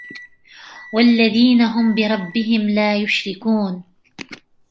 والذين هم بربهم لا يشركون